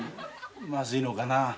まずいのかな。